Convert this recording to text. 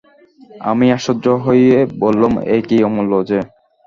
আমি আশ্চর্য হয়ে বললুম, এ কী, অমূল্য যে!